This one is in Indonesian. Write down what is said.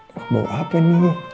aku bau apa nih